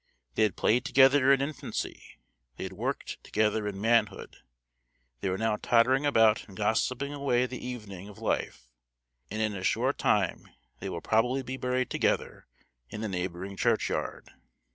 They had played together in infancy; they had worked together in manhood; they were now tottering about and gossiping away the evening of life; and in a short time they will probably be buried together in the neighboring churchyard.